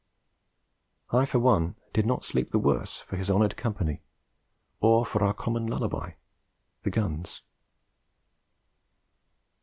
I for one did not sleep the worse for his honoured company, or for our common lullaby the guns.